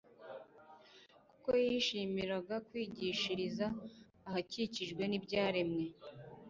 kuko yishimiraga kwigishiriza ahakikijwe n'ibyaremwe